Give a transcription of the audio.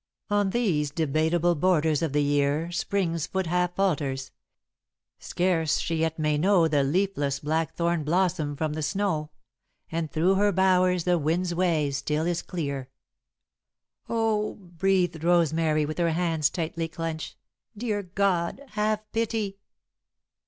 On these debatable borders of the year Spring's foot half falters; scarce she yet may know The leafless blackthorn blossom from the snow; And through her bowers the wind's way still is clear." "Oh!" breathed Rosemary, with her hands tightly clenched. "Dear God, have pity!"